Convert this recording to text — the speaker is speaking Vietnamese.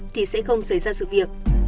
thì sẽ không xảy ra sự việc